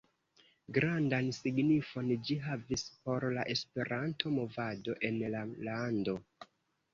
Grandan signifon ĝi havis por la Esperanto-movado en la lando.